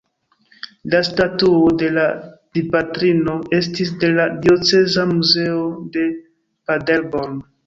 La statuo de la Dipatrino estis de la dioceza muzeo de Paderborn.